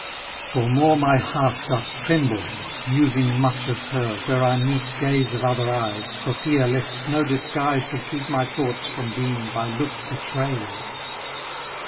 For more my heart doth tremble, njusing much Of her, where I meet gaze of other eyes, For fear lest no disguise ^ Should keep my thoughts from being by look betrayed.